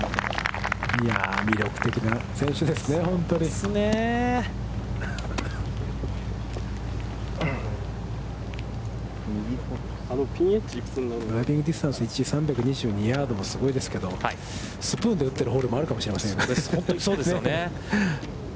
いやあ、魅力的な選手ですね、ドライビングディスタンス１位の３２２ヤードもすごいですが、スプーンで打ってるホールもあるかもしれません。